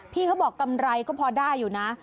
พี่เขาบอกกำไรก็พอได้อยู่นะ